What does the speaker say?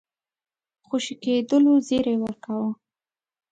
خوشي کېدلو زېری ورکاوه.